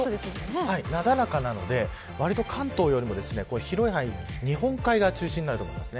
なだらかなので関東よりも広い範囲で日本海側中心となると思います。